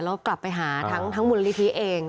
แล้วกลับไปหาทั้งมูลนิธิเอง